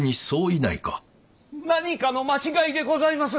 何かの間違いでございます。